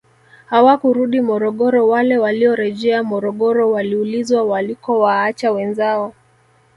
Hawakurudi Morogoro wale waliorejea Morogoro waliulizwa walikowaacha wenzao